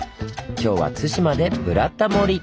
今日は対馬で「ブラタモリ」！